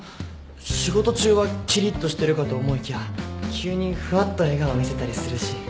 仕事中はきりっとしてるかと思いきや急にふわっと笑顔見せたりするし。